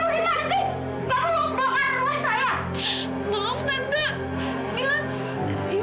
dapur mama jadi kotor begini kan